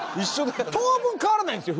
当分変わらないんですよ